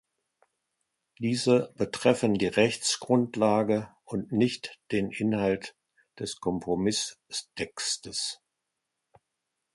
Diese betreffen die Rechtsgrundlage und nicht den Inhalt des Kompromisstextes.